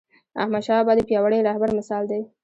احمدشاه بابا د پیاوړي رهبر مثال دی..